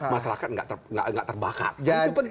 masyarakat tidak terbakar